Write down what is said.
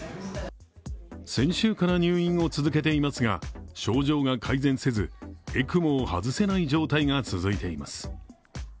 先週から入院を続けていますが症状が改善せずＥＣＭＯを外せない状態が続いています。